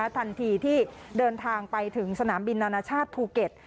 ทันทีที่เดินทางไปถึงสนามบินนานาชาติภูเก็ต